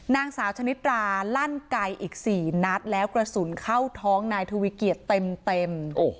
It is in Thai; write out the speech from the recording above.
นางสาวชนิดราลั่นไกลอีก๔นัดแล้วกระสุนเข้าท้องนายทวีเกียจเต็ม